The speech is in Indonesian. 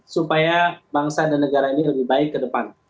supaya bangsa dan negara ini lebih baik ke depan